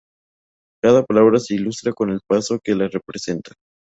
Cada palabra se ilustra con el paso que la representa.